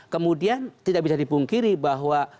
kemudian tidak bisa dipungkiri bahwa